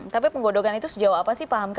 tapi penggodokan itu sejauh apa sih pak hamka